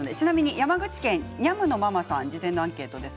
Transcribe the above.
山口県の方の事前のアンケートです。